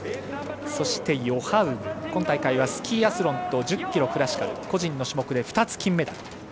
そして、ヨハウグ今大会はスキーアスロンと１０ｋｍクラシカル個人の種目で２つ金メダル。